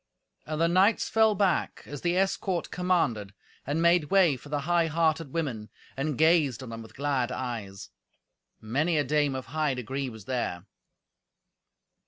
And the knights fell back as the escort commanded, and made way for the high hearted women, and gazed on them with glad eyes. Many a dame of high degree was there.